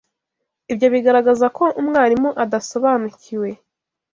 ibyo bigaragaza ko umwarimu adasobanukiwe